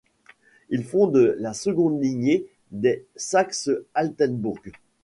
Il fonde la seconde lignée des Saxe-Altenbourg.